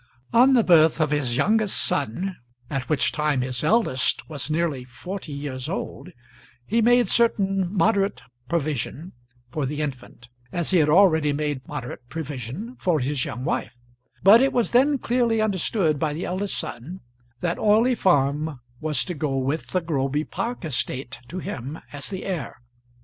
On the birth of his youngest son, at which time his eldest was nearly forty years old, he made certain moderate provision for the infant, as he had already made moderate provision for his young wife; but it was then clearly understood by the eldest son that Orley Farm was to go with the Groby Park estate to him as the heir.